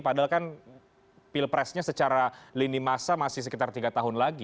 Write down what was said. padahal kan pilpresnya secara lini masa masih sekitar tiga tahun lagi